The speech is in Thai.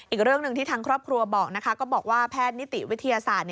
อีกเรื่องหนึ่งที่ทางครอบครัวบอกนะคะก็บอกว่าแพทย์นิติวิทยาศาสตร์